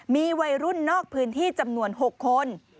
มีวัยรุ่นนอกพื้นที่จำนวน๖คน